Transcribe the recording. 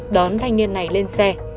đón thanh niên này lên xe